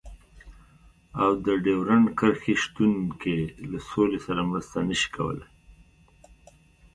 او د ډيورنډ کرښې شتون کې له سولې سره مرسته نشي کولای.